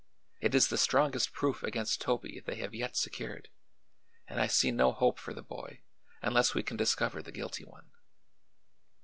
It is the strongest proof against Toby they have yet secured, and I see no hope for the boy unless we can discover the guilty one."